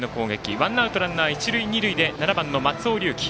ワンアウトランナー、一塁二塁で松尾龍樹。